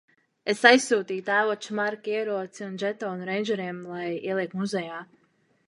Es aizsūtīju tēvoča Marka ieroci un žetonu reindžeriem - lai ieliek muzejā.